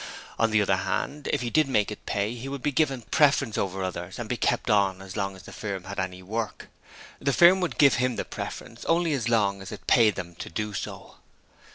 On the other hand, if he did make it pay he would be given the preference over others and be kept on as long as the firm had any work. The firm would give him the preference only as long as it paid them to do so.